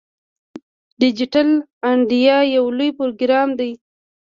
ډیجیټل انډیا یو لوی پروګرام دی.